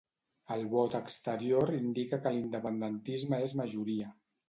El vot exterior indica que l'independentisme és majoria.